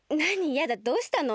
やだどうしたの？